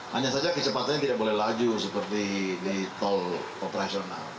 hanya saja kecepatannya tidak boleh laju seperti di tol operasional